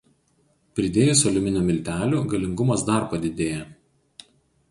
Pridėjus aliuminio miltelių galingumas dar padidėja.